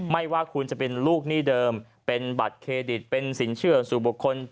ไม่ว่าคุณจะเป็นลูกหนี้เดิมเป็นบัตรเครดิตเป็นสินเชื่อสู่บุคคล